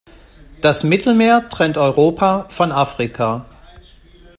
Das Mittelmeer trennt Europa von Afrika.